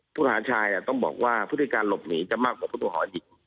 ผู้ต้องหาหญิงต้องบอกว่าผู้ต้องหาหญิงก็มากกว่าผู้ต้องหาหญิง